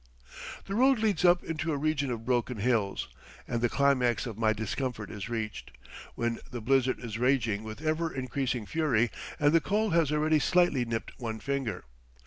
The road leads up into a region of broken hills, and the climax of my discomfort is reached, when the blizzard is raging with ever increasing fury, and the cold has already slightly nipped one finger.